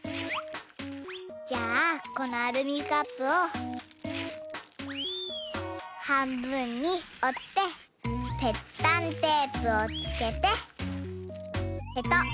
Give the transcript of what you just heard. じゃあこのアルミカップをはんぶんにおってペッタンテープをつけてペタッ。